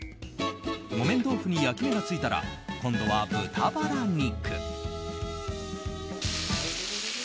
木綿豆腐に焼き目がついたら今度は豚バラ肉。